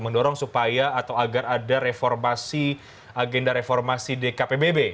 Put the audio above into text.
mendorong supaya atau agar ada reformasi agenda reformasi dkpbb